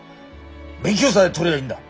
免許さえ取りゃいいんだ。